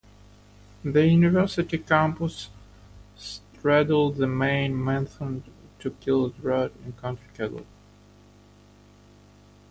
The university campus straddles the main Maynooth to Kilcock Road in County Kildare.